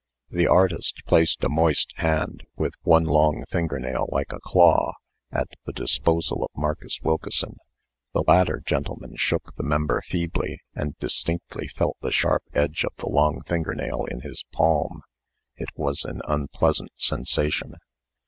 The artist placed a moist hand, with one long finger nail like a claw, at the disposal of Marcus Wilkeson. The latter gentleman shook the member feebly, and distinctly felt the sharp edge of the long finger nail in his palm. It was an unpleasant sensation.